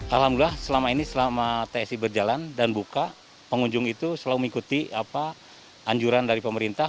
alhamdulillah selama ini selama tsi berjalan dan buka pengunjung itu selalu mengikuti anjuran dari pemerintah